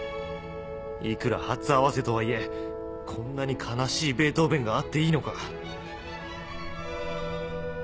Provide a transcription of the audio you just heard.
いくら初合わせとはいえこんなに悲しいベートーヴェンがあっていいのか！？